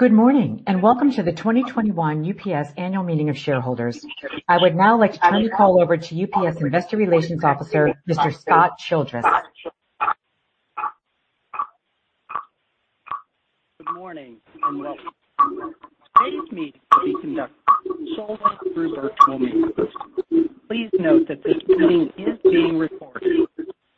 Good morning, welcome to the 2021 UPS Annual Meeting of Shareholders. I would now like to turn the call over to UPS Investor Relations Officer, Mr. Scott Childress. Good morning, and welcome. Today's meeting will be conducted solely through virtual means. Please note that this meeting is being recorded.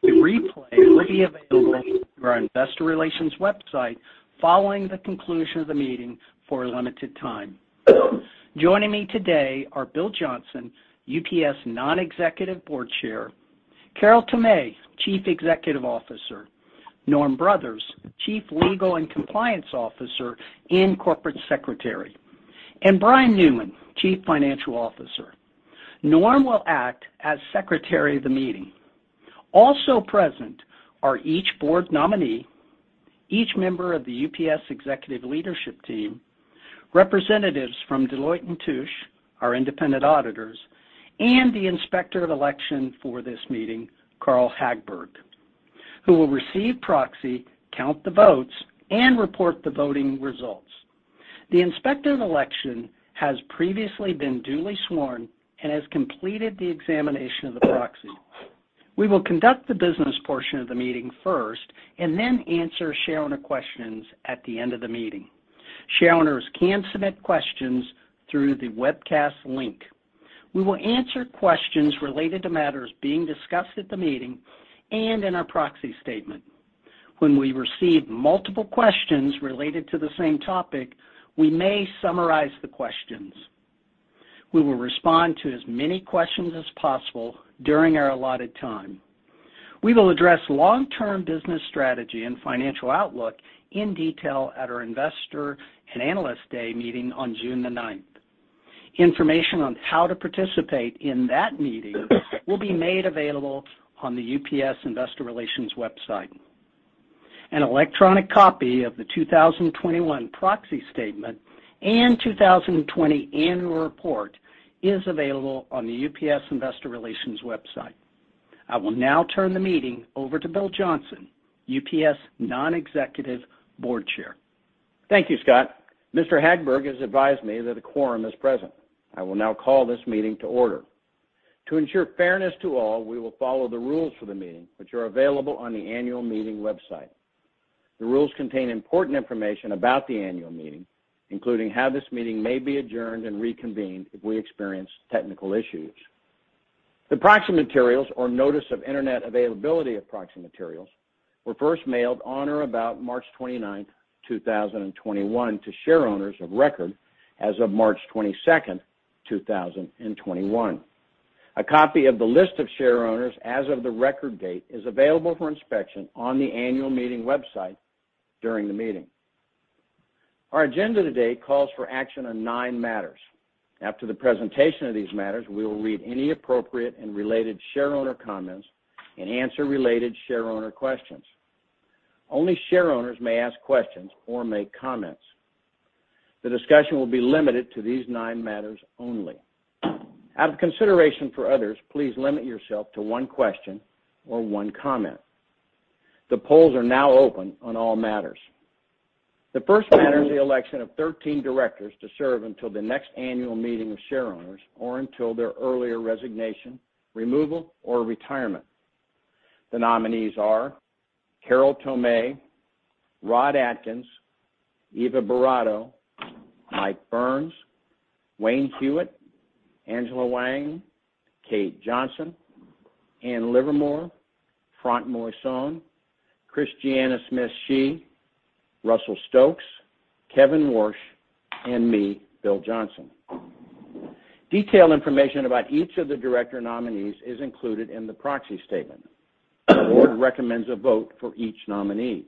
A replay will be available on our investor relations website following the conclusion of the meeting for a limited time. Joining me today are Bill Johnson, UPS Non-Executive Board Chair, Carol Tomé, Chief Executive Officer, Norman Brothers, Chief Legal and Compliance Officer and Corporate Secretary, and Brian Newman, Chief Financial Officer. Norm will act as secretary of the meeting. Also present are each board nominee, each member of the UPS executive leadership team, representatives from Deloitte & Touche, our independent auditors, and the Inspector of Election for this meeting, Carl Hagberg, who will receive proxy, count the votes, and report the voting results. The Inspector of Election has previously been duly sworn and has completed the examination of the proxy. We will conduct the business portion of the meeting first and then answer shareholder questions at the end of the meeting. Shareholders can submit questions through the webcast link. We will answer questions related to matters being discussed at the meeting and in our proxy statement. When we receive multiple questions related to the same topic, we may summarize the questions. We will respond to as many questions as possible during our allotted time. We will address long-term business strategy and financial outlook in detail at our Investor and Analyst Day Meeting on June 9th. Information on how to participate in that meeting will be made available on the UPS Investor Relations website. An electronic copy of the 2021 proxy statement and 2020 annual report is available on the UPS Investor Relations website. I will now turn the meeting over to Bill Johnson, UPS Non-Executive Board Chair. Thank you, Scott. Mr. Hagberg has advised me that a quorum is present. I will now call this meeting to order. To ensure fairness to all, we will follow the rules for the meeting, which are available on the Annual Meeting website. The rules contain important information about the annual meeting, including how this meeting may be adjourned and reconvened if we experience technical issues. The proxy materials or notice of internet availability of proxy materials were first mailed on or about March 29th, 2021, to shareholders of record as of March 22nd, 2021. A copy of the list of shareholders as of the record date is available for inspection on the Annual Meeting website during the meeting. Our agenda today calls for action on nine matters. After the presentation of these matters, we will read any appropriate and related shareholder comments and answer related shareholder questions. Only shareholders may ask questions or make comments. The discussion will be limited to these nine matters only. Out of consideration for others, please limit yourself to one question or one comment. The polls are now open on all matters. The first matter is the election of 13 directors to serve until the next annual meeting of shareholders or until their earlier resignation, removal, or retirement. The nominees are Carol Tomé, Rod Adkins, Eva Boratto, Mike Burns, Wayne Hewett, Angela Hwang, Kate Johnson, Ann Livermore, Franck Moison, Christiana Smith Shi, Russell Stokes, Kevin Warsh, and me, Bill Johnson. Detailed information about each of the director nominees is included in the proxy statement. The Board recommends a vote for each nominee.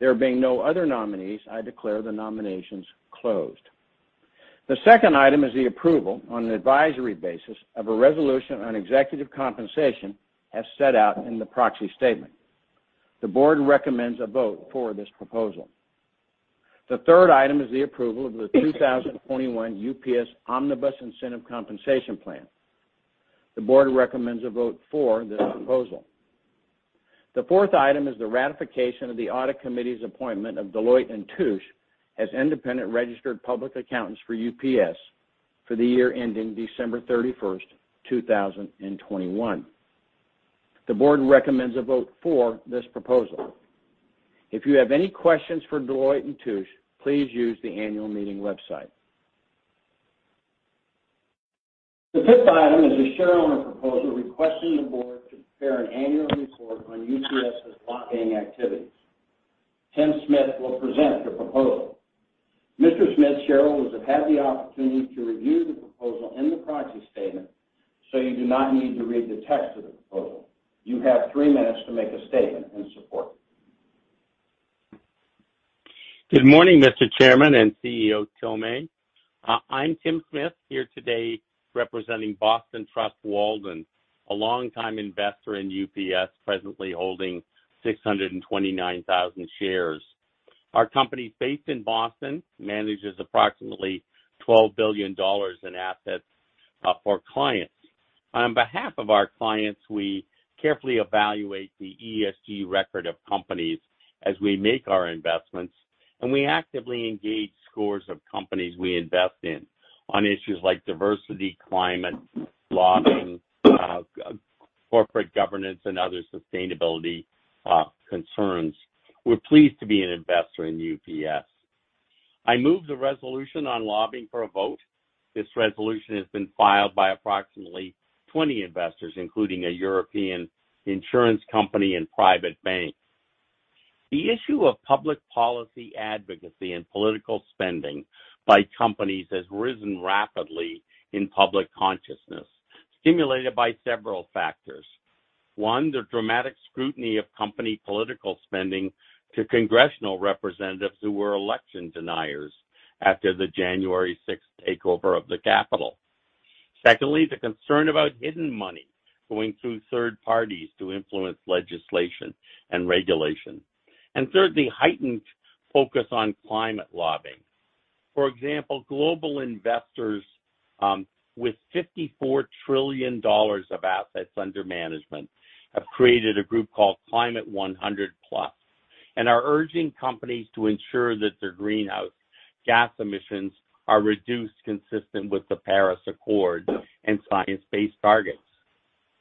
There being no other nominees, I declare the nominations closed. The second item is the approval on an advisory basis of a resolution on executive compensation as set out in the proxy statement. The board recommends a vote for this proposal. The third item is the approval of the 2021 Omnibus Incentive Compensation Plan. The board recommends a vote for this proposal. The fourth item is the ratification of the Audit Committee's appointment of Deloitte & Touche as independent registered public accountants for UPS for the year ending December 31st, 2021. The board recommends a vote for this proposal. If you have any questions for Deloitte & Touche, please use the Annual Meeting website. The fifth item is a shareholder proposal requesting the board to prepare an annual report on UPS's lobbying activities. Tim Smith will present the proposal. Mr. Smith, shareholders have had the opportunity to review the proposal in the proxy statement, so you do not need to read the text of the proposal. You have three minutes to make a statement in support. Good morning, Mr. Chairman and CEO Tomé. I'm Tim Smith, here today representing Boston Trust Walden, a longtime investor in UPS, presently holding 629,000 shares. Our company, based in Boston, manages approximately $12 billion in assets for clients. On behalf of our clients, we carefully evaluate the ESG record of companies as we make our investments, and we actively engage scores of companies we invest in on issues like diversity, climate, lobbying, corporate governance, and other sustainability concerns. We're pleased to be an investor in UPS. I move the resolution on lobbying for a vote. This resolution has been filed by approximately 20 investors, including a European insurance company and private bank. The issue of public policy advocacy and political spending by companies has risen rapidly in public consciousness, stimulated by several factors. One, the dramatic scrutiny of company political spending to congressional representatives who were election deniers after the January 6th takeover of the Capitol. The concern about hidden money going through third parties to influence legislation and regulation. Thirdly, heightened focus on climate lobbying. For example, global investors with $54 trillion of assets under management have created a group called Climate Action 100+ and are urging companies to ensure that their greenhouse gas emissions are reduced consistent with the Paris Agreement and science-based targets,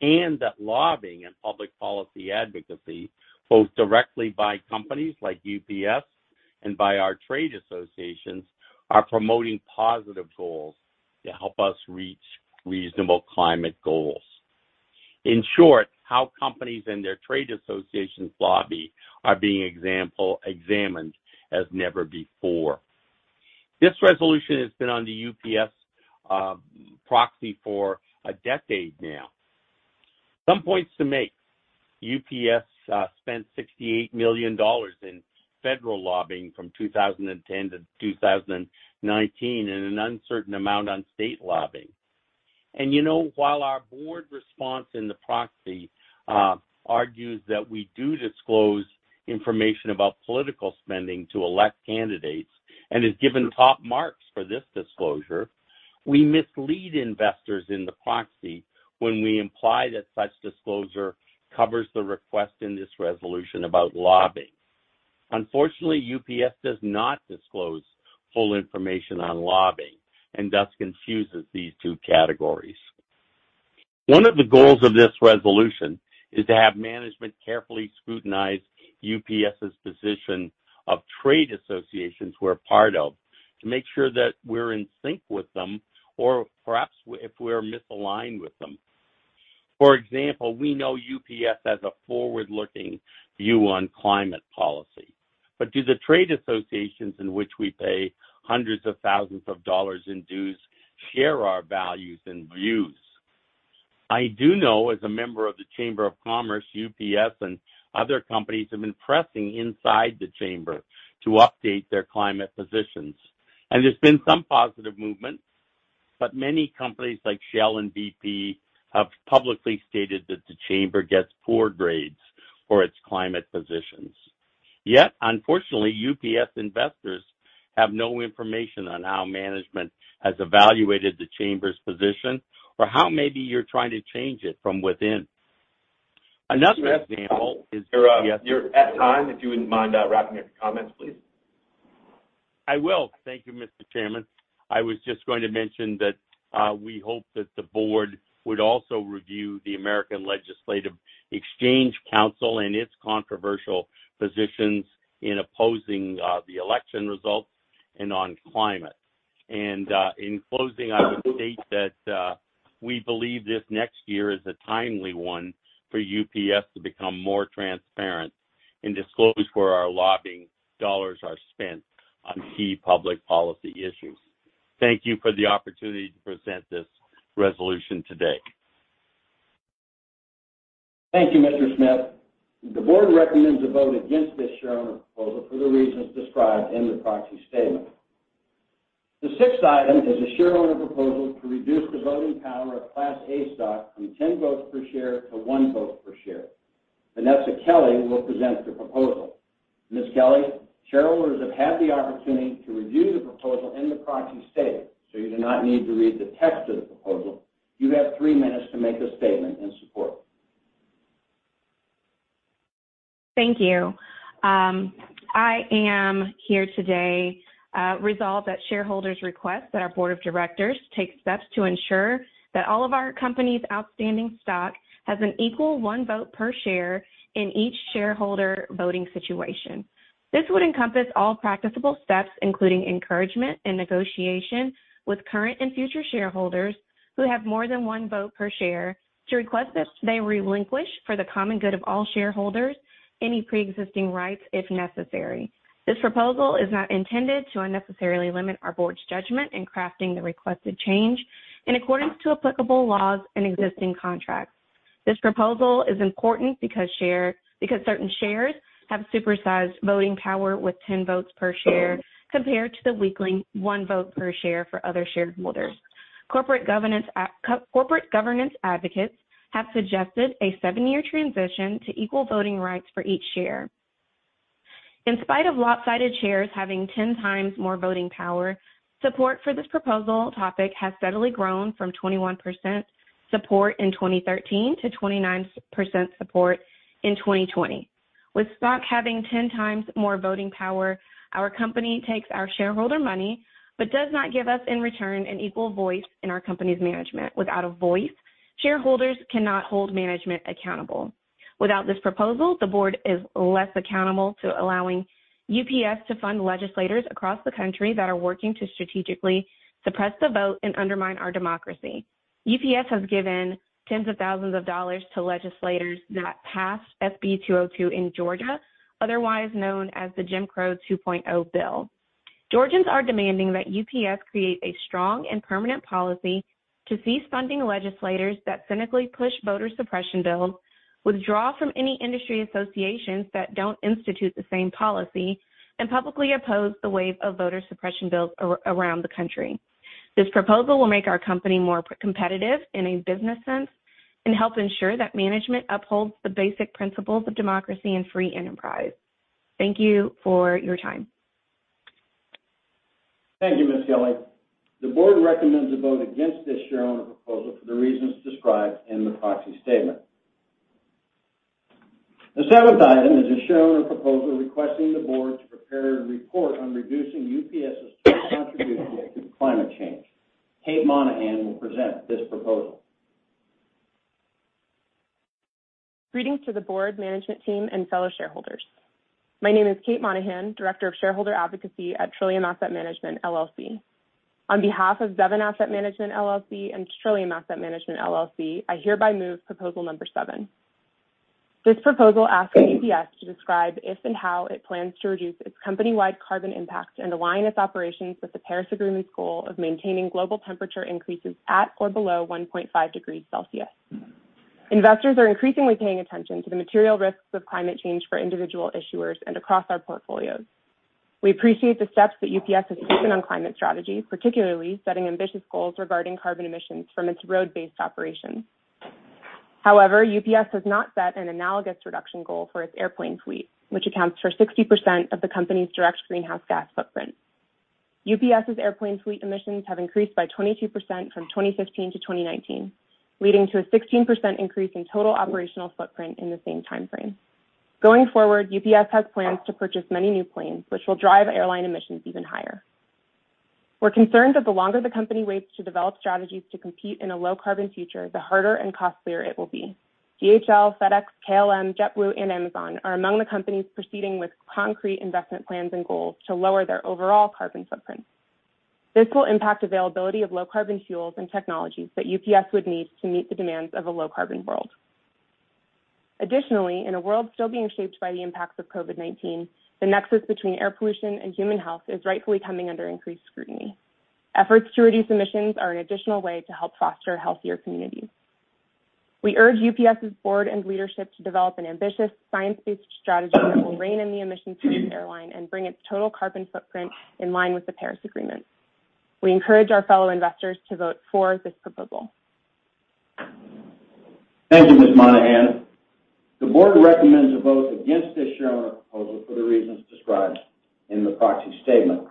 and that lobbying and public policy advocacy, both directly by companies like UPS and by our trade associations, are promoting positive goals to help us reach reasonable climate goals. In short, how companies and their trade associations lobby are being examined as never before. This resolution has been on the UPS proxy for a decade now. Some points to make; UPS spent $68 million in federal lobbying from 2010 to 2019 and an uncertain amount on state lobbying. While our board response in the proxy argues that we do disclose information about political spending to elect candidates and is given top marks for this disclosure, we mislead investors in the proxy when we imply that such disclosure covers the request in this resolution about lobbying. Unfortunately, UPS does not disclose full information on lobbying and thus confuses these two categories. One of the goals of this resolution is to have management carefully scrutinize UPS's position of trade associations we're a part of to make sure that we're in sync with them or perhaps if we're misaligned with them. For example, we know UPS has a forward-looking view on climate policy. Do the trade associations in which we pay hundreds of thousands of dollars in dues share our values and views? I do know, as a member of the Chamber of Commerce, UPS and other companies have been pressing inside the Chamber to update their climate positions. There's been some positive movement. Many companies like Shell and BP have publicly stated that the Chamber gets poor grades for its climate positions. Unfortunately, UPS investors have no information on how management has evaluated the Chamber's position or how maybe you're trying to change it from within. You're at time. If you wouldn't mind wrapping up your comments, please. I will. Thank you, Mr. Chairman. I was just going to mention that we hope that the board would also review the American Legislative Exchange Council and its controversial positions in opposing the election results and on climate. In closing, I would state that we believe this next year is a timely one for UPS to become more transparent and disclose where our lobbying dollars are spent on key public policy issues. Thank you for the opportunity to present this resolution today. Thank you, Mr. Smith. The board recommends a vote against this shareholder proposal for the reasons described in the proxy statement. The sixth item is a shareholder proposal to reduce the voting power of Class A stock from 10 votes per share to one vote per share. Vanessa Kelly will present the proposal. Ms. Kelly, shareholders have had the opportunity to review the proposal in the proxy statement, so you do not need to read the text of the proposal. You have three minutes to make a statement in support. Thank you. I am here today resolved at shareholders' request that our board of directors take steps to ensure that all of our company's outstanding stock has an equal one vote per share in each shareholder voting situation. This would encompass all practicable steps, including encouragement and negotiation with current and future shareholders who have more than one vote per share to request that they relinquish, for the common good of all shareholders, any pre-existing rights if necessary. This proposal is not intended to unnecessarily limit our board's judgment in crafting the requested change in accordance to applicable laws and existing contracts. This proposal is important because certain shares have super-sized voting power with 10 votes per share compared to the weakly one vote per share for other shareholders. Corporate governance advocates have suggested a 7-year transition to equal voting rights for each share. In spite of Class A shares having 10x more voting power, support for this proposal topic has steadily grown from 21% support in 2013 to 29% support in 2020. With stock having 10x more voting power, our company takes our shareholder money but does not give us in return an equal voice in our company's management. Without a voice, shareholders cannot hold management accountable. Without this proposal, the board is less accountable to allowing UPS to fund legislators across the country that are working to strategically suppress the vote and undermine our democracy. UPS has given tens of thousands of dollars to legislators that passed SB 202 in Georgia, otherwise known as the Jim Crow 2.0 bill. Georgians are demanding that UPS create a strong and permanent policy to cease funding legislators that cynically push voter suppression bills, withdraw from any industry associations that don't institute the same policy, and publicly oppose the wave of voter suppression bills around the country. This proposal will make our company more competitive in a business sense and help ensure that management upholds the basic principles of democracy and free enterprise. Thank you for your time. Thank you, Ms. Kelly. The board recommends a vote against this shareholder proposal for the reasons described in the proxy statement. The seventh item is a shareholder proposal requesting the board to prepare a report on reducing UPS's contribution to climate change. Kate Monahan will present this proposal. Greetings to the board, management team, and fellow shareholders. My name is Kate Monahan, Director of Shareholder Advocacy at Trillium Asset Management, LLC. On behalf of Devon Asset Management LLC and Trillium Asset Management, LLC, I hereby move proposal number seven. This proposal asks UPS to describe if and how it plans to reduce its company-wide carbon impact and align its operations with the Paris Agreement's goal of maintaining global temperature increases at or below 1.5 degrees Celsius. Investors are increasingly paying attention to the material risks of climate change for individual issuers and across our portfolios. We appreciate the steps that UPS has taken on climate strategy, particularly setting ambitious goals regarding carbon emissions from its road-based operations. However, UPS has not set an analogous reduction goal for its airplane fleet, which accounts for 60% of the company's direct greenhouse gas footprint. UPS's airplane fleet emissions have increased by 22% from 2015 to 2019, leading to a 16% increase in total operational footprint in the same timeframe. Going forward, UPS has plans to purchase many new planes, which will drive airline emissions even higher. We're concerned that the longer the company waits to develop strategies to compete in a low-carbon future, the harder and costlier it will be. DHL, FedEx, KLM, JetBlue, and Amazon are among the companies proceeding with concrete investment plans and goals to lower their overall carbon footprint. This will impact availability of low-carbon fuels and technologies that UPS would need to meet the demands of a low-carbon world. Additionally, in a world still being shaped by the impacts of COVID-19, the nexus between air pollution and human health is rightfully coming under increased scrutiny. Efforts to reduce emissions are an additional way to help foster healthier communities. We urge UPS's board and leadership to develop an ambitious, science-based strategy that will rein in the emissions of its airline and bring its total carbon footprint in line with the Paris Agreement. We encourage our fellow investors to vote for this proposal. Thank you, Ms. Monahan. The board recommends a vote against this shareholder proposal for the reasons described in the proxy statement.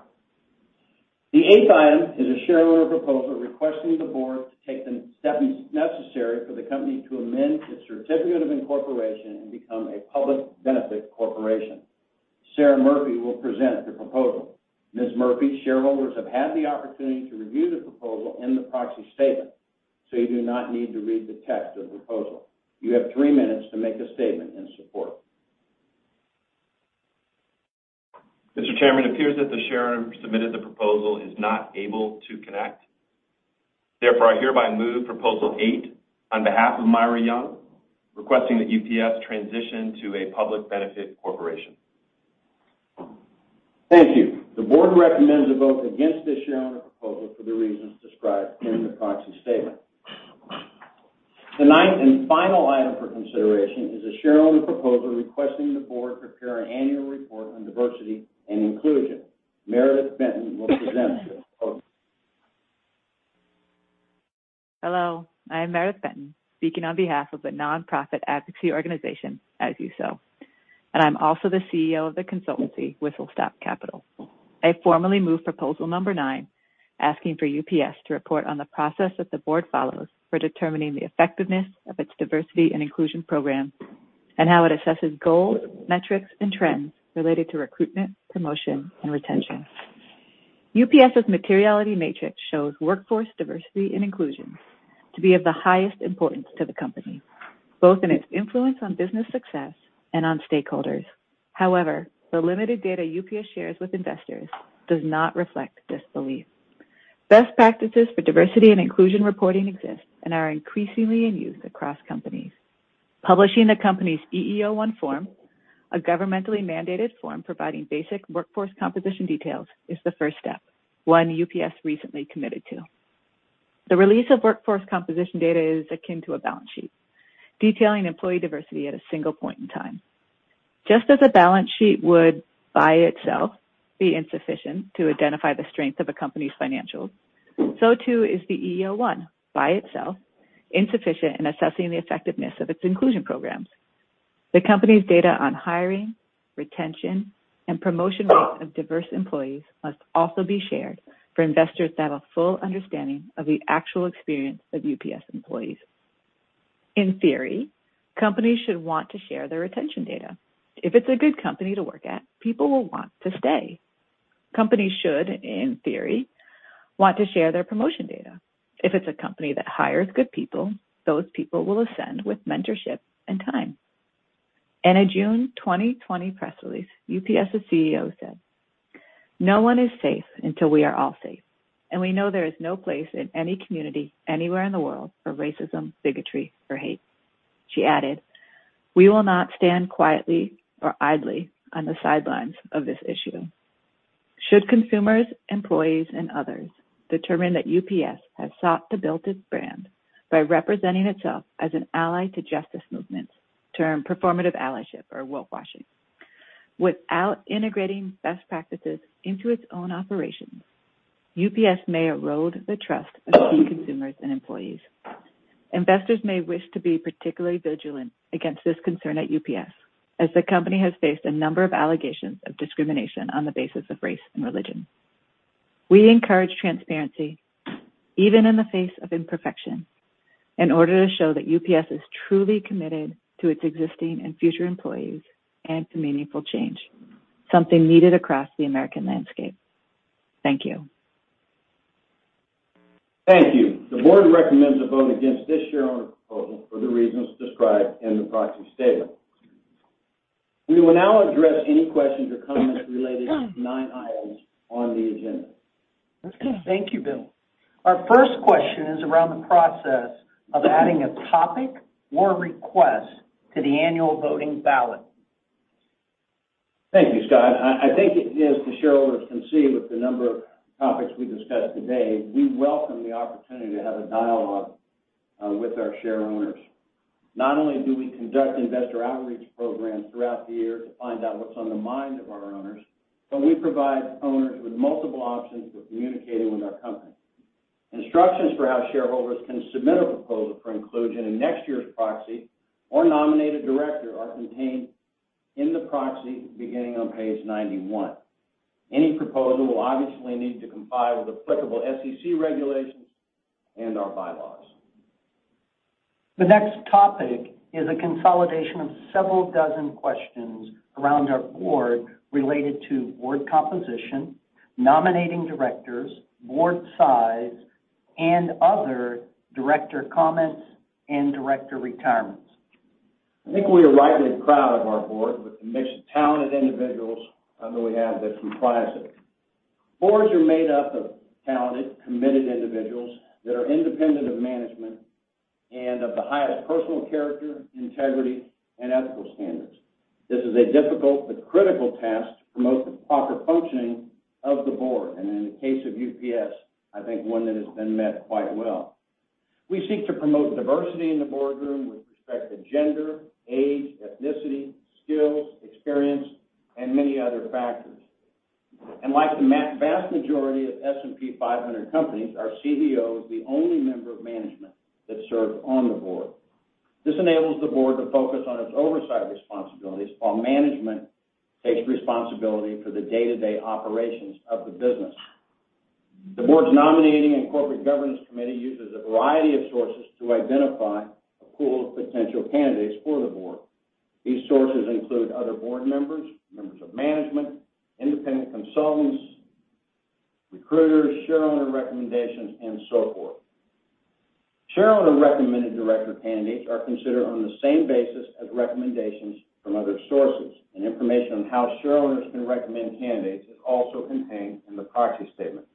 The eighth item is a shareholder proposal requesting the board to take the steps necessary for the company to amend its certificate of incorporation and become a public benefit corporation. Sara Murphy will present the proposal. Ms. Murphy, shareholders have had the opportunity to review the proposal in the proxy statement, so you do not need to read the text of the proposal. You have three minutes to make a statement in support. Mr. Chairman, it appears that the shareholder who submitted the proposal is not able to connect. I hereby move proposal eight on behalf of Myra K. Young, requesting that UPS transition to a public benefit corporation. Thank you. The board recommends a vote against this shareholder proposal for the reasons described in the proxy statement. The ninth and final item for consideration is a shareholder proposal requesting the board prepare an annual report on diversity and inclusion. Meredith Benton will present this proposal. Hello, I am Meredith Benton, speaking on behalf of the nonprofit advocacy organization, As You Sow, and I'm also the CEO of the consultancy, Whistle Stop Capital. I formally move proposal number nine, asking for UPS to report on the process that the board follows for determining the effectiveness of its diversity and inclusion program, and how it assesses goals, metrics, and trends related to recruitment, promotion, and retention. UPS's materiality matrix shows workforce diversity and inclusion to be of the highest importance to the company, both in its influence on business success and on stakeholders. However, the limited data UPS shares with investors does not reflect this belief. Best practices for diversity and inclusion reporting exist and are increasingly in use across companies. Publishing the company's EEO-1 form, a governmentally mandated form providing basic workforce composition details, is the first step. One UPS recently committed to. The release of workforce composition data is akin to a balance sheet, detailing employee diversity at a single point in time. Just as a balance sheet would by itself be insufficient to identify the strength of a company's financials, so too is the EEO-1 by itself insufficient in assessing the effectiveness of its inclusion programs. The company's data on hiring, retention, and promotion rates of diverse employees must also be shared for investors to have a full understanding of the actual experience of UPS employees. In theory, companies should want to share their retention data. If it's a good company to work at, people will want to stay. Companies should, in theory, want to share their promotion data. If it is a company that hires good people, those people will ascend with mentorship and time. In a June 2020 press release, UPS's CEO said, "No one is safe until we are all safe, and we know there is no place in any community, anywhere in the world for racism, bigotry, or hate." She added, "We will not stand quietly or idly on the sidelines of this issue." Should consumers, employees, and others determine that UPS has sought to build its brand by representing itself as an ally to justice movements, a term performative allyship or woke washing, without integrating best practices into its own operations, UPS may erode the trust of key consumers and employees. Investors may wish to be particularly vigilant against this concern at UPS, as the company has faced a number of allegations of discrimination on the basis of race and religion. We encourage transparency, even in the face of imperfection, in order to show that UPS is truly committed to its existing and future employees and to meaningful change, something needed across the American landscape. Thank you. Thank you. The board recommends a vote against this share owner proposal for the reasons described in the proxy statement. We will now address any questions or comments related to the nine items on the agenda. Thank you, Bill. Our first question is around the process of adding a topic or request to the annual voting ballot. Thank you, Scott. I think as the share owners can see with the number of topics we discussed today, we welcome the opportunity to have a dialogue with our share owners. Not only do we conduct investor outreach programs throughout the year to find out what's on the mind of our owners, but we provide owners with multiple options for communicating with our company. Instructions for how shareholders can submit a proposal for inclusion in next year's proxy or nominate a director are contained in the proxy beginning on page 91. Any proposal will obviously need to comply with applicable SEC regulations and our bylaws. The next topic is a consolidation of several dozen questions around our Board related to Board composition, nominating directors, Board size, and other director comments and director retirements? I think we are rightly proud of our board with the mix of talented individuals that we have that comprise it. Boards are made up of talented, committed individuals that are independent of management and of the highest personal character, integrity, and ethical standards. This is a difficult but critical task to promote the proper functioning of the board, and in the case of UPS, I think one that has been met quite well. We seek to promote diversity in the boardroom with respect to gender, age, ethnicity, skills, experience, and many other factors. Like the vast majority of S&P 500 companies, our CEO is the only member of management that serves on the board. This enables the board to focus on its oversight responsibilities while management takes responsibility for the day-to-day operations of the business. The board's Nominating and Corporate Governance Committee uses a variety of sources to identify a pool of potential candidates for the board. These sources include other board members of management, independent consultants, recruiters, share owner recommendations, and so forth. Share owner-recommended director candidates are considered on the same basis as recommendations from other sources, and information on how share owners can recommend candidates is also contained in the proxy statement.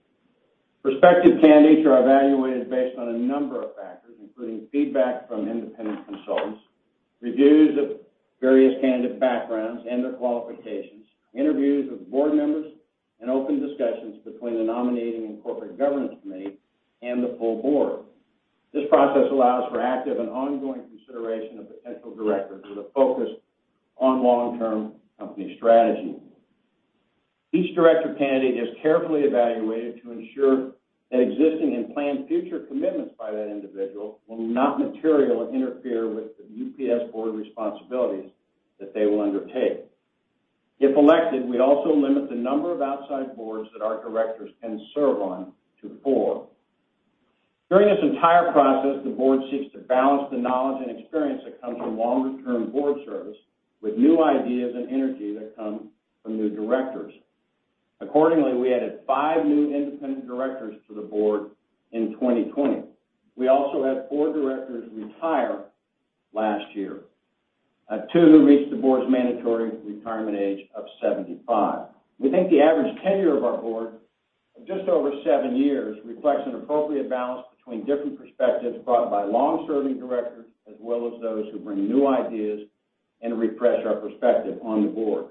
Prospective candidates are evaluated based on a number of factors, including feedback from independent consultants, reviews of various candidate backgrounds and their qualifications, interviews with board members, and open discussions between the Nominating and Corporate Governance Committee and the full board. This process allows for active and ongoing consideration of potential directors with a focus on long-term company strategy. Each director candidate is carefully evaluated to ensure that existing and planned future commitments by that individual will not materially interfere with the UPS board responsibilities that they will undertake. If elected, we also limit the number of outside boards that our directors can serve on to four. During this entire process, the board seeks to balance the knowledge and experience that comes from longer-term board service with new ideas and energy that come from new directors. Accordingly, we added five new independent directors to the board in 2020. We also had four directors retire last year, two who reached the board's mandatory retirement age of 75. We think the average tenure of our board of just over 7 years reflects an appropriate balance between different perspectives brought by long-serving directors, as well as those who bring new ideas and refresh our perspective on the board.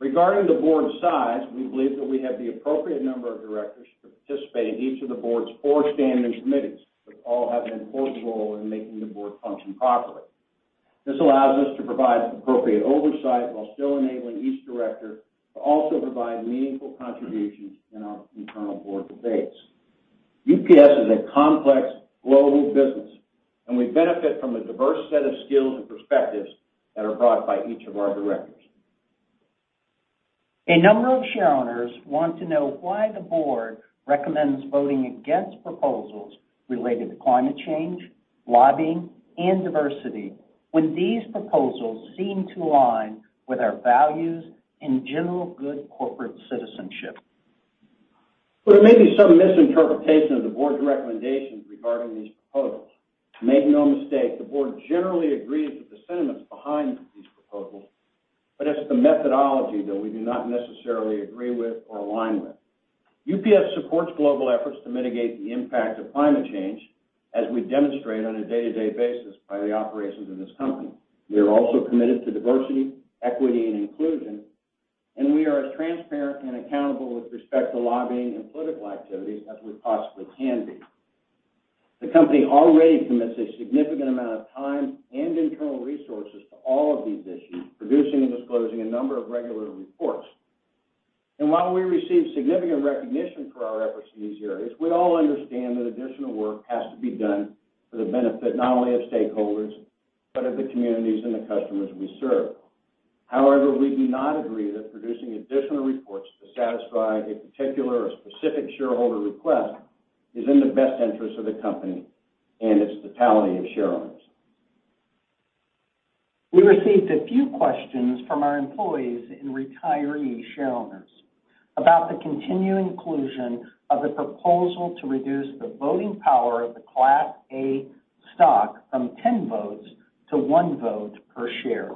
Regarding the board size, we believe that we have the appropriate number of directors to participate in each of the board's four standing committees, which all have an important role in making the board function properly. This allows us to provide appropriate oversight while still enabling each director to also provide meaningful contributions in our internal board debates. UPS is a complex global business, and we benefit from the diverse set of skills and perspectives that are brought by each of our directors. A number of share owners want to know why the Board recommends voting against proposals related to climate change, lobbying, and diversity when these proposals seem to align with our values and general good corporate citizenship? Well, there may be some misinterpretation of the Board's recommendations regarding these proposals. Make no mistake, the Board generally agrees with the sentiments behind these proposals, but it's the methodology that we do not necessarily agree with or align with. UPS supports global efforts to mitigate the impact of climate change, as we demonstrate on a day-to-day basis by the operations of this company. We are also committed to diversity, equity, and inclusion, and we are as transparent and accountable with respect to lobbying and political activities as we possibly can be. The company already commits a significant amount of time and internal resources to all of these issues, producing and disclosing a number of regular reports. While we receive significant recognition for our efforts in these areas, we all understand that additional work has to be done for the benefit not only of stakeholders, but of the communities and the customers we serve. However, we do not agree that producing additional reports to satisfy a particular or specific shareholder request is in the best interest of the company and its totality of shareowners. We received a few questions from our employees and retiree shareowners about the continuing inclusion of the proposal to reduce the voting power of the Class A stock from 10 votes to one vote per share?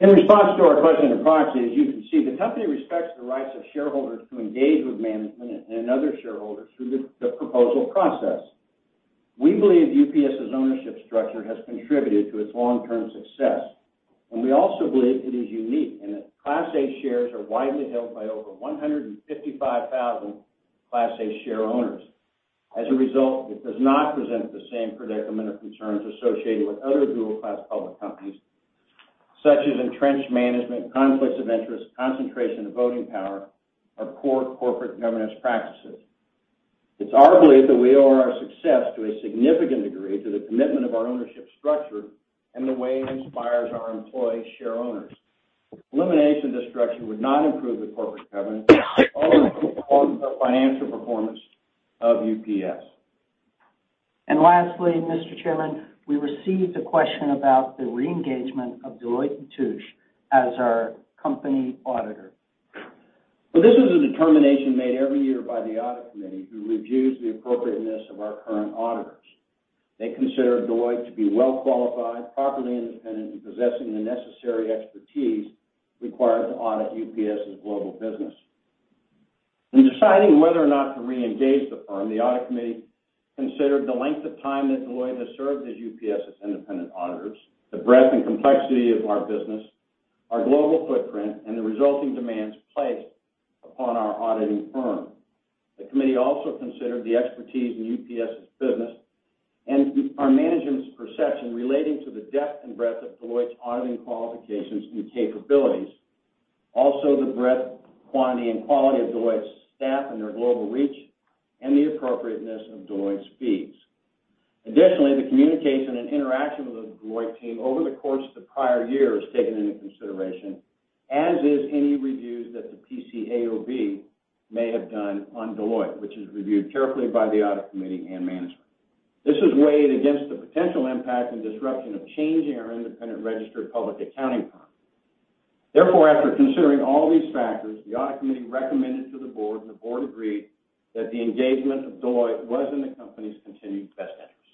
In response to our question in the proxy, as you can see, the company respects the rights of shareholders to engage with management and other shareholders through the proposal process. We believe UPS's ownership structure has contributed to its long-term success, and we also believe it is unique in that Class A shares are widely held by over 155,000 Class A share owners. As a result, it does not present the same predicament of concerns associated with other dual-class public companies, such as entrenched management, conflicts of interest, concentration of voting power, or poor corporate governance practices. It's our belief that we owe our success to a significant degree to the commitment of our ownership structure and the way it inspires our employee share owners. Elimination of this structure would not improve the corporate governance or the financial performance of UPS. Lastly, Mr. Chairman, we received a question about the re-engagement of Deloitte & Touche as our company auditor? Well, this is a determination made every year by the audit committee, who reviews the appropriateness of our current auditors. They consider Deloitte to be well qualified, properly independent, and possessing the necessary expertise required to audit UPS's global business. In deciding whether or not to re-engage the firm, the audit committee considered the length of time that Deloitte has served as UPS's independent auditors, the breadth and complexity of our business, our global footprint, and the resulting demands placed upon our auditing firm. The committee also considered the expertise in UPS's business and our management's perception relating to the depth and breadth of Deloitte's auditing qualifications and capabilities. The breadth, quantity, and quality of Deloitte's staff and their global reach, and the appropriateness of Deloitte's fees. Additionally, the communication and interaction with the Deloitte team over the course of the prior year is taken into consideration, as is any reviews that the PCAOB may have done on Deloitte, which is reviewed carefully by the audit committee and management. This is weighed against the potential impact and disruption of changing our independent registered public accounting firm. After considering all these factors, the audit committee recommended to the board, and the board agreed, that the engagement of Deloitte was in the company's continued best interest.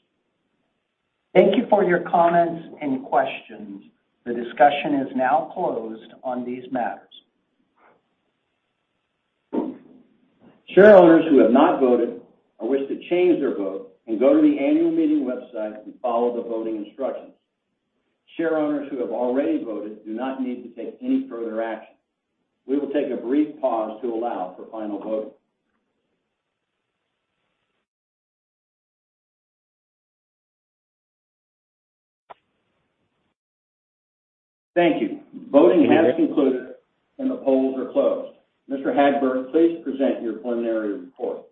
Thank you for your comments and questions. The discussion is now closed on these matters. Shareowners who have not voted or wish to change their vote can go to the annual meeting website and follow the voting instructions. Shareowners who have already voted do not need to take any further action. We will take a brief pause to allow for final voting. Thank you. Voting has concluded and the polls are closed. Mr. Hagberg, please present your preliminary report.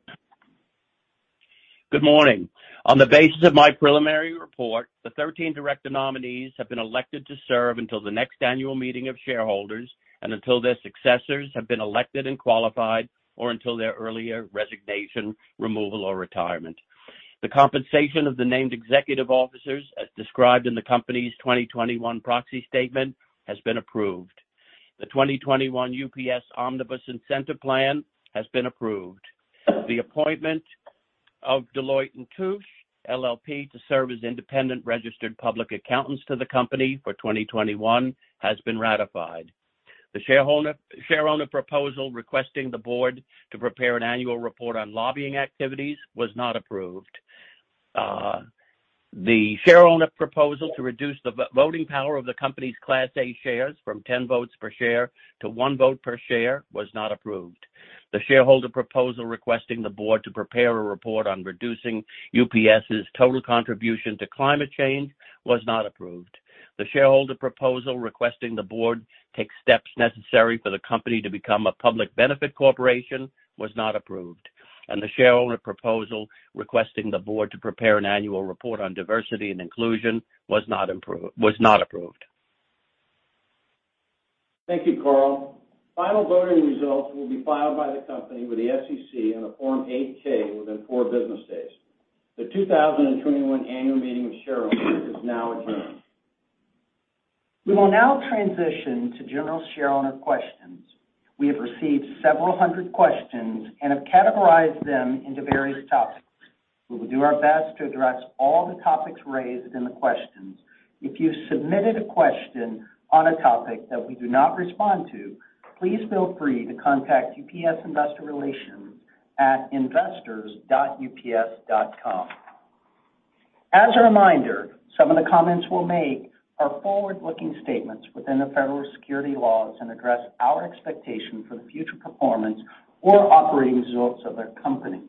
Good morning. On the basis of my preliminary report, the 13 director nominees have been elected to serve until the next annual meeting of shareholders and until their successors have been elected and qualified, or until their earlier resignation, removal, or retirement. The compensation of the named executive officers, as described in the company's 2021 proxy statement, has been approved. The 2021 UPS Omnibus Incentive Plan has been approved. The appointment of Deloitte & Touche LLP to serve as independent registered public accountants to the company for 2021 has been ratified. The shareholder proposal requesting the board to prepare an annual report on lobbying activities was not approved. The shareholder proposal to reduce the voting power of the company's Class A stock from 10 votes per share to one vote per share was not approved. The shareholder proposal requesting the board to prepare a report on reducing UPS's total contribution to climate change was not approved. The shareholder proposal requesting the board take steps necessary for the company to become a public benefit corporation was not approved. The shareholder proposal requesting the board to prepare an annual report on diversity and inclusion was not approved. Thank you, Carl. Final voting results will be filed by the company with the SEC in a Form 8-K within four business days. The 2021 annual meeting of shareholders is now adjourned. We will now transition to general shareholder questions. We have received several hundred questions and have categorized them into various topics. We will do our best to address all the topics raised in the questions. If you submitted a question on a topic that we do not respond to, please feel free to contact UPS Investor Relations at investors.ups.com. As a reminder, some of the comments we'll make are forward-looking statements within the federal securities laws and address our expectation for the future performance or operating results of the company.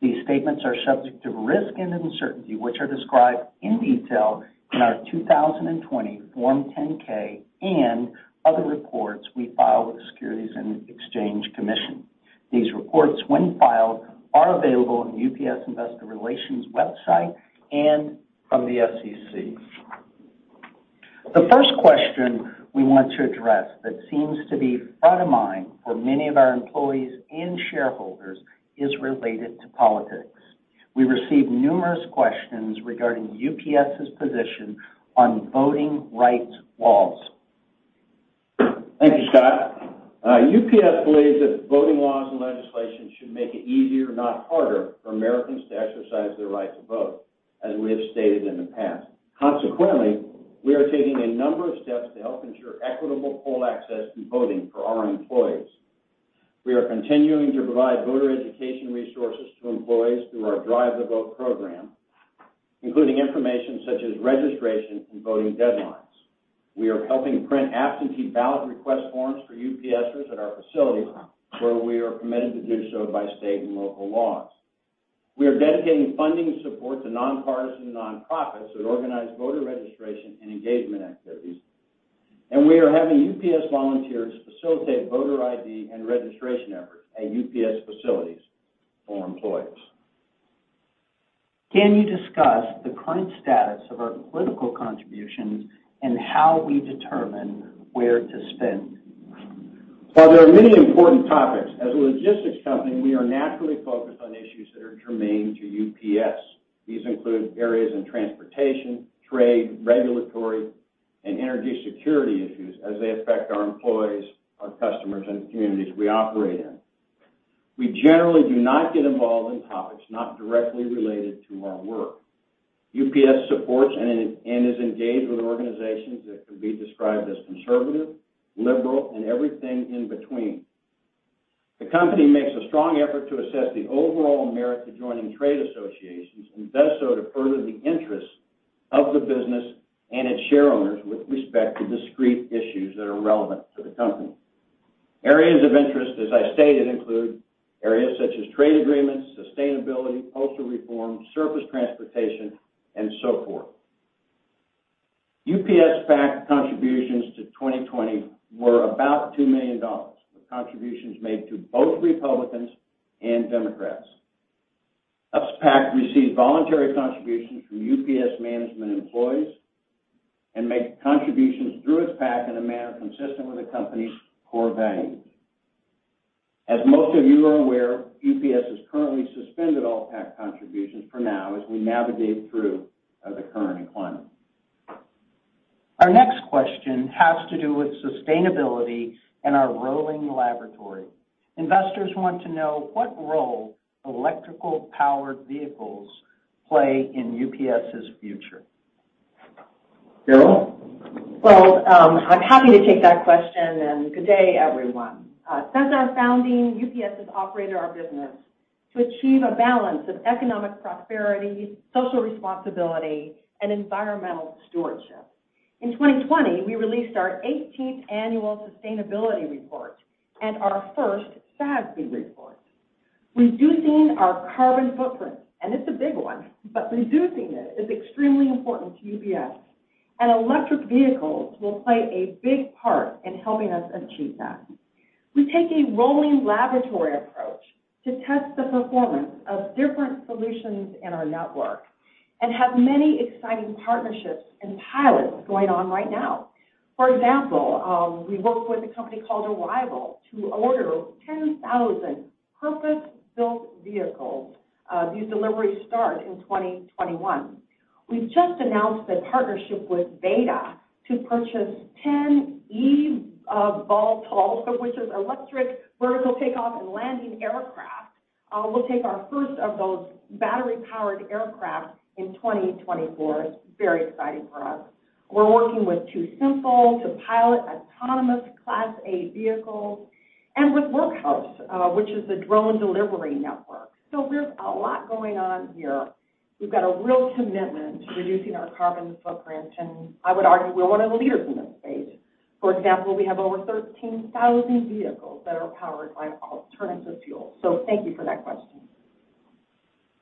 These statements are subject to risk and uncertainty, which are described in detail in our 2020 Form 10-K and other reports we file with the Securities and Exchange Commission. These reports, when filed, are available on the UPS Investor Relations website and from the SEC. The first question we want to address that seems to be front of mind for many of our employees and shareholders is related to politics. We received numerous questions regarding UPS's position on voting rights laws. Thank you, Scott. UPS believes that voting laws and legislation should make it easier, not harder, for Americans to exercise their right to vote, as we have stated in the past. Consequently, we are taking a number of steps to help ensure equitable poll access and voting for our employees. We are continuing to provide voter education resources to employees through our Drive the Vote program, including information such as registration and voting deadlines. We are helping print absentee ballot request forms for UPSers at our facilities where we are permitted to do so by state and local laws. We are dedicating funding support to nonpartisan nonprofits that organize voter registration and engagement activities, and we are having UPS volunteers facilitate voter ID and registration efforts at UPS facilities for employees. Can you discuss the current status of our political contributions and how we determine where to spend? While there are many important topics, as a logistics company, we are naturally focused on issues that are germane to UPS. These include areas in transportation, trade, regulatory, and energy security issues as they affect our employees, our customers, and the communities we operate in. We generally do not get involved in topics not directly related to our work. UPS supports and is engaged with organizations that could be described as conservative, liberal, and everything in between. The company makes a strong effort to assess the overall merit to joining trade associations and does so to further the interests of the business and its shareowners with respect to discrete issues that are relevant to the company. Areas of interest, as I stated, include areas such as trade agreements, sustainability, postal reform, surface transportation, and so forth. UPS PAC contributions to 2020 were about $2 million, with contributions made to both Republicans and Democrats. UPS PAC received voluntary contributions from UPS management employees and made contributions through its PAC in a manner consistent with the company's core values. As most of you are aware, UPS has currently suspended all PAC contributions for now as we navigate through the current climate. Our next question has to do with sustainability and our rolling laboratory. Investors want to know what role electrical-powered vehicles play in UPS's future? Carol? Well, I'm happy to take that question. Good day, everyone. Since our founding, UPS has operated our business to achieve a balance of economic prosperity, social responsibility, and environmental stewardship. In 2020, we released our 18th annual sustainability report and our first SASB report. Reducing our carbon footprint, and it's a big one, but reducing it is extremely important to UPS, and electric vehicles will play a big part in helping us achieve that. We take a rolling laboratory approach to test the performance of different solutions in our network and have many exciting partnerships and pilots going on right now. For example, we worked with a company called Arrival to order 10,000 purpose-built vehicles. These deliveries start in 2021. We've just announced a partnership with BETA to purchase 10 eVTOLs, so which is Electric Vertical Takeoff and Landing Aircraft. We'll take our first of those battery-powered aircraft in 2024. It's very exciting for us. We're working with TuSimple to pilot autonomous Class 8 vehicles and with Workhorse, which is a drone delivery network. There's a lot going on here. We've got a real commitment to reducing our carbon footprint, and I would argue we're one of the leaders in this space. For example, we have over 13,000 vehicles that are powered by alternative fuel. Thank you for that question.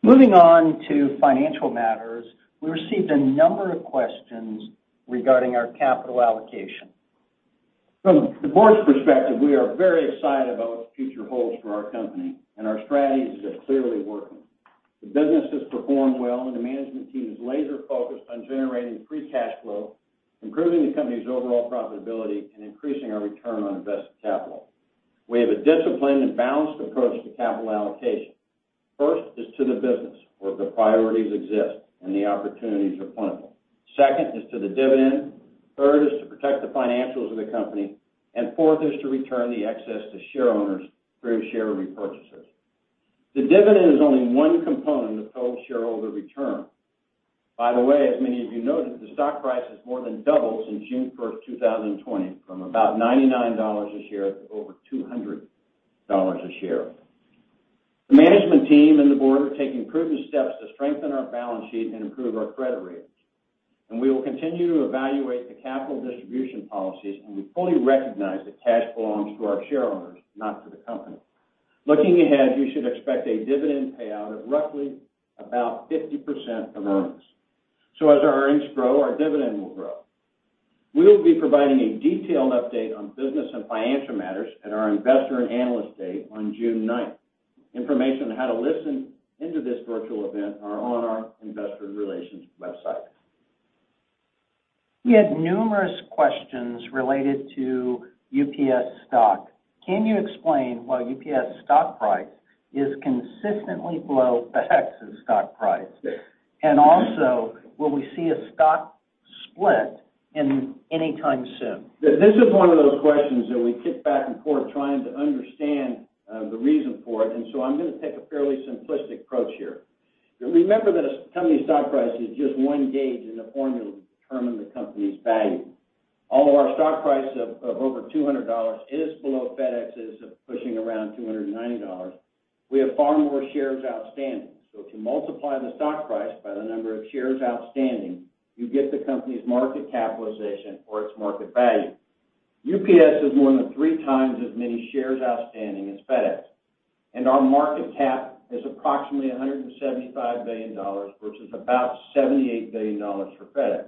Moving on to financial matters, we received a number of questions regarding our capital allocation? From the board's perspective, we are very excited about what the future holds for our company. Our strategies are clearly working. The business has performed well, and the management team is laser focused on generating free cash flow, improving the company's overall profitability, and increasing our return on invested capital. We have a disciplined and balanced approach to capital allocation. First is to the business, where the priorities exist and the opportunities are plentiful. Second is to the dividend. Third is to protect the financials of the company. Fourth is to return the excess to shareowners through share repurchases. The dividend is only one component of total shareholder return. By the way, as many of you noted, the stock price has more than doubled since June 1st, 2020, from about $99 a share to over $200 a share. The management team and the board are taking prudent steps to strengthen our balance sheet and improve our credit ratings. We will continue to evaluate the capital distribution policies, and we fully recognize that cash belongs to our shareowners, not to the company. Looking ahead, you should expect a dividend payout of roughly about 50% of earnings. As our earnings grow, our dividend will grow. We will be providing a detailed update on business and financial matters at our Investor and Analyst Day on June 9th. Information on how to listen into this virtual event are on our investor relations website. We had numerous questions related to UPS stock. Can you explain why UPS stock price is consistently below FedEx's stock price? Will we see a stock split anytime soon? This is one of those questions that we kick back and forth trying to understand, the reason for it, and so I'm going to take a fairly simplistic approach here. Remember that a company stock price is just one gauge in the formula to determine the company's value. Although our stock price of over $200 is below FedEx's of pushing around $290, we have far more shares outstanding. If you multiply the stock price by the number of shares outstanding, you get the company's market capitalization or its market value. UPS has more than 3x as many shares outstanding as FedEx, and our market cap is approximately $175 billion, versus about $78 billion for FedEx.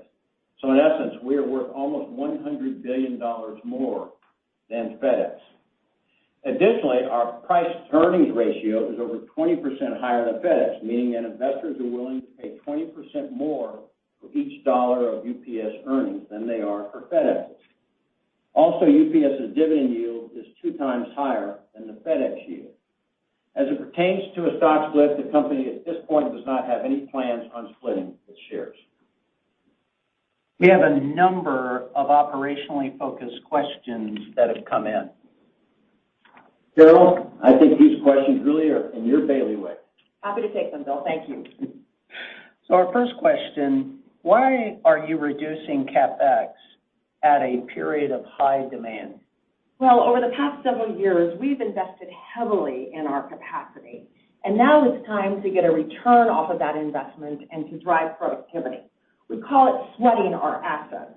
In essence, we are worth almost $100 billion more than FedEx. Additionally, our price-earnings ratio is over 20% higher than FedEx, meaning that investors are willing to pay 20% more for each dollar of UPS earnings than they are for FedEx. Also, UPS's dividend yield is two times higher than the FedEx yield. As it pertains to a stock split, the company at this point does not have any plans on splitting its shares. We have a number of operationally focused questions that have come in. Carol, I think these questions really are in your bailiwick. Happy to take them, Bill. Thank you. Our first question: Why are you reducing CapEx at a period of high demand? Over the past several years, we've invested heavily in our capacity. Now it's time to get a return off of that investment and to drive productivity. We call it sweating our assets.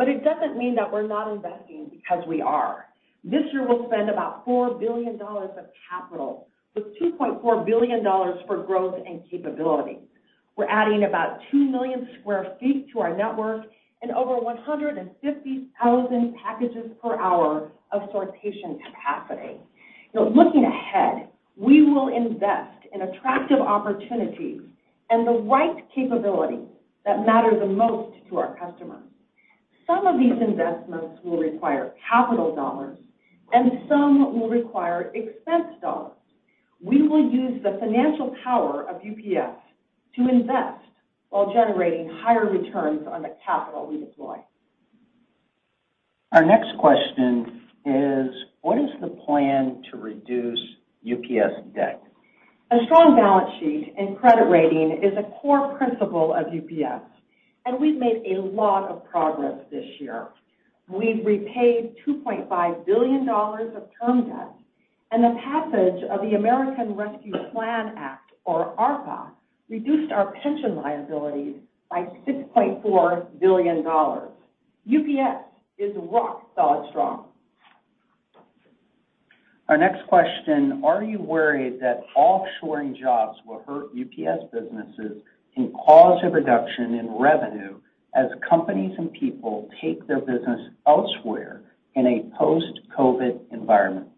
It doesn't mean that we're not investing, because we are. This year we'll spend about $4 billion of capital, with $2.4 billion for growth and capability. We're adding about 2 million square feet to our network and over 150,000 packages per hour of sortation capacity. Looking ahead, we will invest in attractive opportunities and the right capability that matter the most to our customers. Some of these investments will require capital dollars and some will require expense dollars. We will use the financial power of UPS to invest while generating higher returns on the capital we deploy. Our next question is: What is the plan to reduce UPS debt? A strong balance sheet and credit rating is a core principle of UPS, and we've made a lot of progress this year. We've repaid $2.5 billion of term debt, and the passage of the American Rescue Plan Act, or ARPA, reduced our pension liabilities by $6.4 billion. UPS is rock solid strong. Our next question: Are you worried that offshoring jobs will hurt UPS businesses and cause a reduction in revenue as companies and people take their business elsewhere in a post-COVID-19 environment?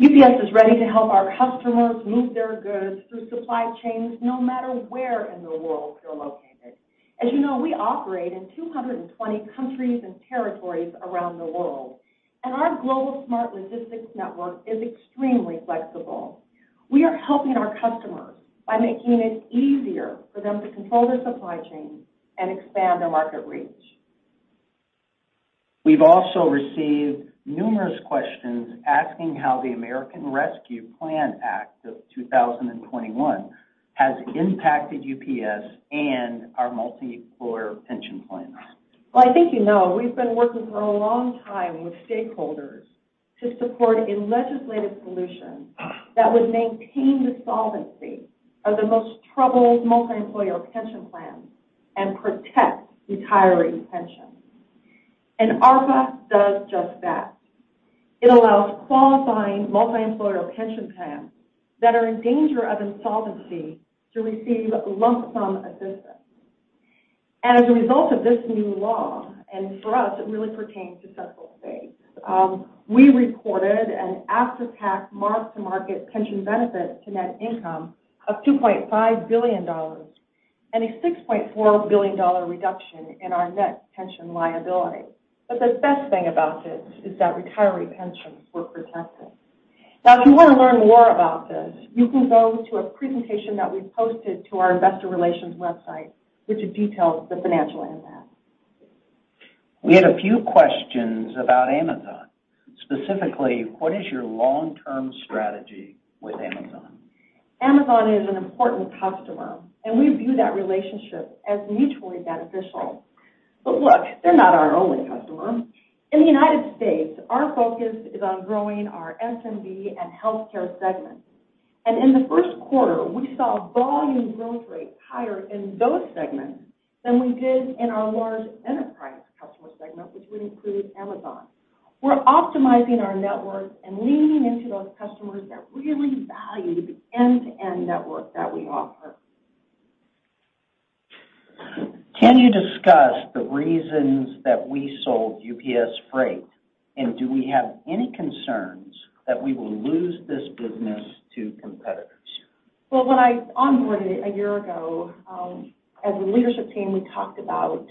UPS is ready to help our customers move their goods through supply chains, no matter where in the world they're located. As you know, we operate in 220 countries and territories around the world. Our global smart logistics network is extremely flexible. We are helping our customers by making it easier for them to control their supply chain and expand their market reach. We've also received numerous questions asking how the American Rescue Plan Act of 2021 has impacted UPS and our multi-employer pension plans. Well, I think you know, we've been working for a long time with stakeholders to support a legislative solution that would maintain the solvency of the most troubled multi-employer pension plans and protect retiree pensions. ARPA does just that. It allows qualifying multi-employer pension plans that are in danger of insolvency to receive lump sum assistance. As a result of this new law, and for us, it really pertains to Central States, we reported an after-tax mark-to-market pension benefit to net income of $2.5 billion and a $6.4 billion reduction in our net pension liability. The best thing about this is that retiree pensions were protected. Now, if you want to learn more about this, you can go to a presentation that we've posted to our investor relations website, which it details the financial impact. We had a few questions about Amazon. Specifically, what is your long-term strategy with Amazon? Amazon is an important customer, and we view that relationship as mutually beneficial. Look, they're not our only customer. In the United States, our focus is on growing our SMB and healthcare segments. In the first quarter, we saw volume growth rates higher in those segments than we did in our large enterprise customer segment, which would include Amazon. We're optimizing our network and leaning into those customers that really value the end-to-end network that we offer. Can you discuss the reasons that we sold UPS Freight, and do we have any concerns that we will lose this business to competitors? When I onboarded a year ago, as a leadership team, we talked about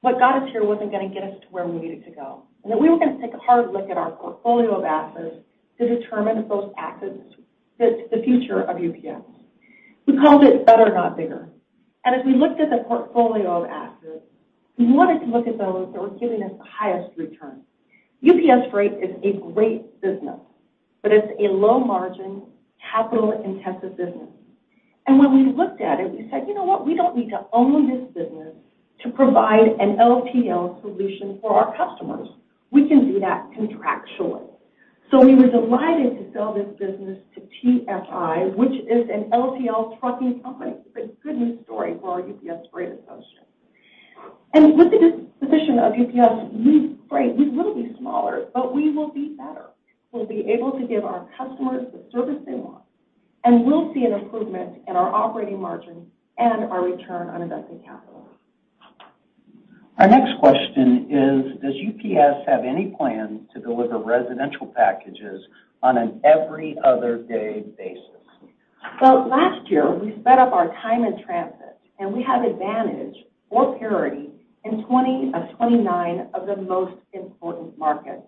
what got us here wasn't going to get us to where we needed to go, and that we were going to take a hard look at our portfolio of assets to determine if those assets fit the future of UPS. We called it better, not bigger. As we looked at the portfolio of assets, we wanted to look at those that were giving us the highest return. UPS Freight is a great business, but it's a low margin, capital-intensive business. When we looked at it, we said, "You know what? We don't need to own this business to provide an LTL solution for our customers. We can do that contractually." We were delighted to sell this business to TFI, which is an LTL trucking company. It's a good news story for our UPS Freight associates. With the disposition of UPS Freight, we will be smaller, but we will be better. We'll be able to give our customers the service they want, and we'll see an improvement in our operating margin and our return on invested capital. Our next question is, does UPS have any plans to deliver residential packages on an every other day basis? Last year, we sped up our time in transit, and we have advantage or parity in 20 of 29 of the most important markets.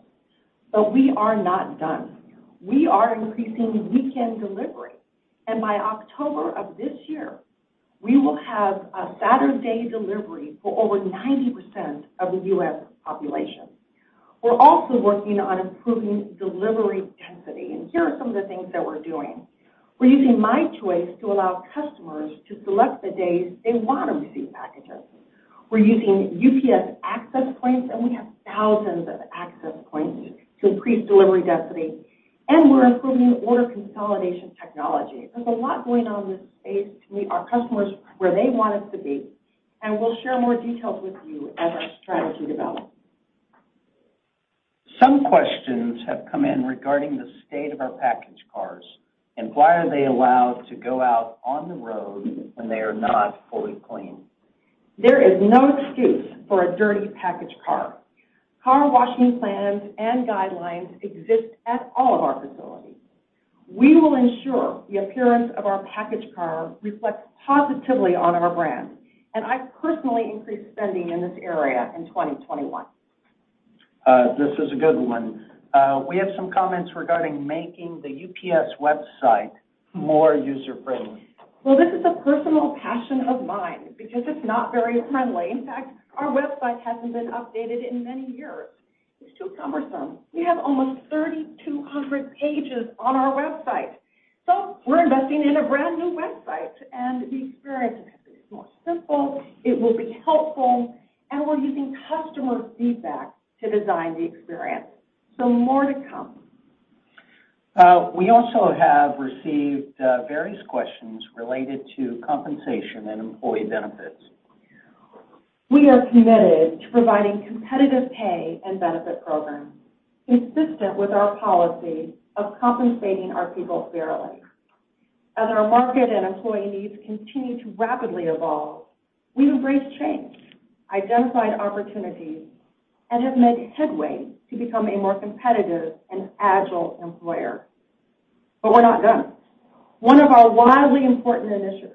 We are not done. We are increasing weekend delivery, and by October of this year, we will have Saturday delivery for over 90% of the U.S. population. We're also working on improving delivery density, and here are some of the things that we're doing. We're using UPS My Choice to allow customers to select the days they want to receive packages. We're using UPS Access Points, and we have thousands of Access Points to increase delivery density, and we're improving order consolidation technology. There's a lot going on in this space to meet our customers where they want us to be, and we'll share more details with you as our strategy develops. Some questions have come in regarding the state of our package cars and why are they allowed to go out on the road when they are not fully clean? There is no excuse for a dirty package car. Car washing plans and guidelines exist at all of our facilities. We will ensure the appearance of our package car reflects positively on our brand, and I personally increased spending in this area in 2021. This is a good one. We have some comments regarding making the UPS website more user-friendly Well, this is a personal passion of mine because it's not very friendly. In fact, our website hasn't been updated in many years. It's too cumbersome. We have almost 3,200 pages on our website. We're investing in a brand new website, and the experience is going to be more simple, it will be helpful, and we're using customer feedback to design the experience. More to come. We also have received various questions related to compensation and employee benefits? We are committed to providing competitive pay and benefit programs consistent with our policy of compensating our people fairly. As our market and employee needs continue to rapidly evolve, we've embraced change, identified opportunities, and have made headway to become a more competitive and agile employer. We're not done. One of our wildly important initiatives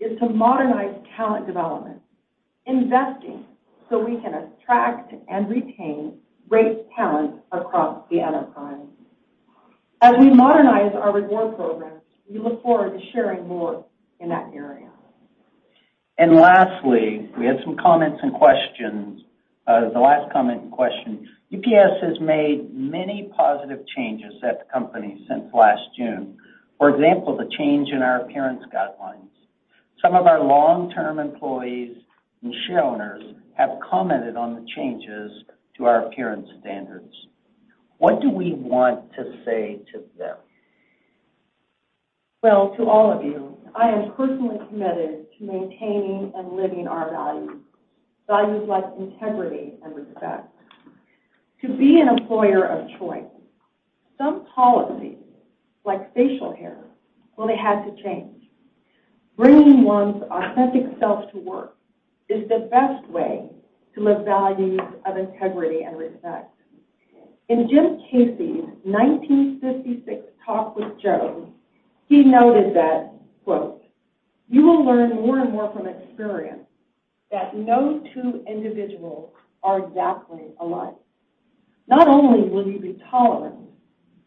is to modernize talent development, investing so we can attract and retain great talent across the enterprise. As we modernize our reward programs, we look forward to sharing more in that area. Lastly, we had some comments and questions. The last comment and question. UPS has made many positive changes at the company since last June. For example, the change in our appearance guidelines. Some of our long-term employees and shareholders have commented on the changes to our appearance standards. What do we want to say to them? Well, to all of you, I am personally committed to maintaining and living our values. Values like integrity and respect. To be an employer of choice, some policies, like facial hair, well, they had to change. Bringing one's authentic self to work is the best way to live values of integrity and respect. In Jim Casey's 1956 talk with Joe, he noted that, quote, "You will learn more and more from experience that no two individuals are exactly alike. Not only will you be tolerant,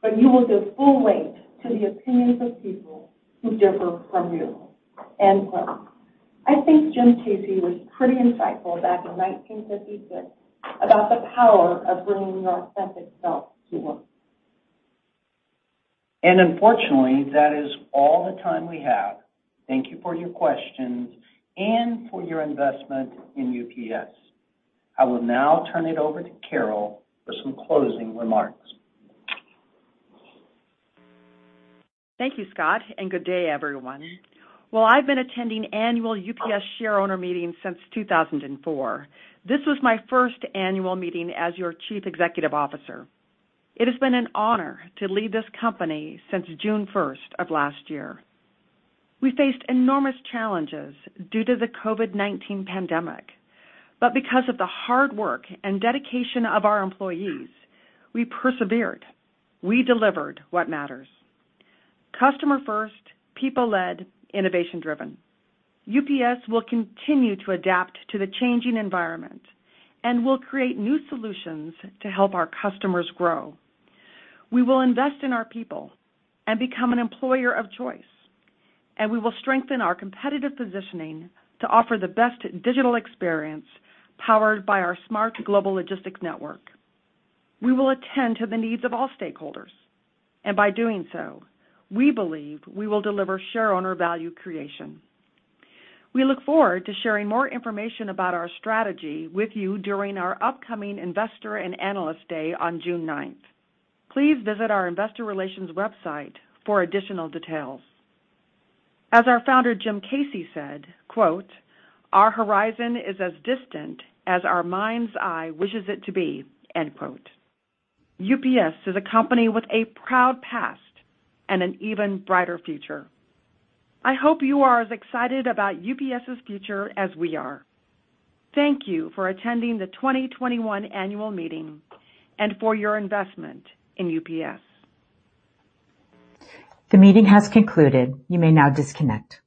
but you will give full weight to the opinions of people who differ from you." End quote. I think Jim Casey was pretty insightful back in 1956 about the power of bringing your authentic self to work. Unfortunately, that is all the time we have. Thank you for your questions and for your investment in UPS. I will now turn it over to Carol for some closing remarks. Thank you, Scott. Good day everyone. Well, I've been attending annual UPS shareowner meetings since 2004. This was my first annual meeting as your Chief Executive Officer. It has been an honor to lead this company since June 1st of last year. We faced enormous challenges due to the COVID-19 pandemic. Because of the hard work and dedication of our employees, we persevered. We delivered what matters. Customer first, people-led, innovation-driven. UPS will continue to adapt to the changing environment and will create new solutions to help our customers grow. We will invest in our people and become an employer of choice. We will strengthen our competitive positioning to offer the best digital experience powered by our smart global logistics network. We will attend to the needs of all stakeholders, by doing so, we believe we will deliver shareowner value creation. We look forward to sharing more information about our strategy with you during our upcoming Investor and Analyst Day on June 9th. Please visit our investor relations website for additional details. As our founder, Jim Casey, said, quote, "Our horizon is as distant as our mind's eye wishes it to be." End quote. UPS is a company with a proud past and an even brighter future. I hope you are as excited about UPS's future as we are. Thank you for attending the 2021 annual meeting and for your investment in UPS. The meeting has concluded. You may now disconnect.